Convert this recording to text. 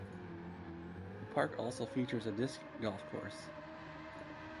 The park also features a disc golf course.